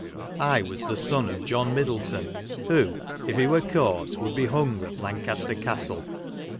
I was the son of John Middleton, who, if he were caught, Avould be hung at Lancaster Castle.